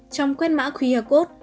trong quét mã qr code